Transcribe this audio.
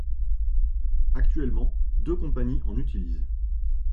Actuellement, deux compagnies en utilisent.